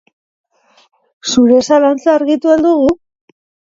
Zure zalantza argitu al dugu?